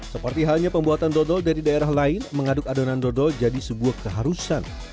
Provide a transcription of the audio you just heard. seperti halnya pembuatan dodol dari daerah lain mengaduk adonan dodol jadi sebuah keharusan